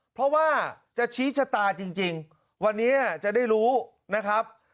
เพราะว่าจะชี้ชะตาจริงวันนี้จะได้รู้นะครับ